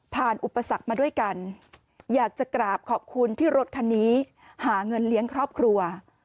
อุปสรรคมาด้วยกันอยากจะกราบขอบคุณที่รถคันนี้หาเงินเลี้ยงครอบครัว